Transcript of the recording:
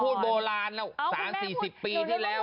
พูดโบราณแล้ว๓๔๐ปีที่แล้วน่ะ